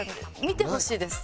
見てほしいです